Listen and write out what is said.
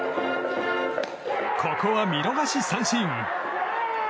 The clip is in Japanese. ここは見逃し三振。